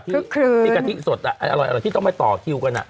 ที่กะทิสดอร่อยที่ต้องไปต่อคิวกัน